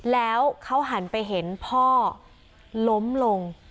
แล้วเขาหันไปเห็นพ่อล้มลง